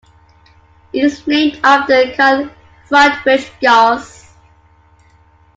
It is named after Carl Friedrich Gauss.